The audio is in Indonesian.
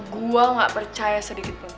gue gak percaya sedikit